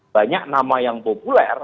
banyak nama yang populer